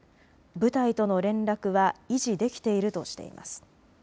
部隊との連絡は維持できているとしています。